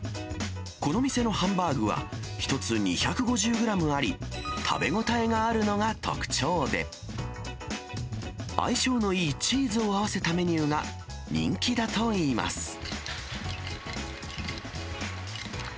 この店のハンバーグは１つ２５０グラムあり、食べ応えがあるのが特徴で、相性のいいチーズを合わせたメニューが人気だといいます。